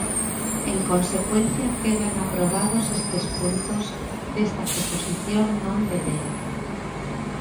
En consecuencia, quedan aprobados estes puntos desta proposición non de lei.